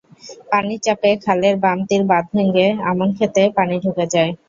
পানির চাপে খালের বাম তীর বাঁধ ভেঙে আমনখেতে পানি ঢুকে যায়।